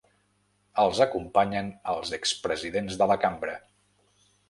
Els acompanyen els ex-presidents de la cambra.